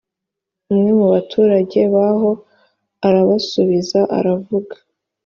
umwe mu baturage baho arabasubiza aravuga